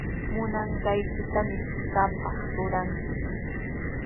Munanqaykitami qamqa ruranki.